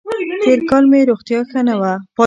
تېر کال مې روغتیا ښه نه وه